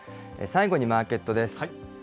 最後にマーケットです。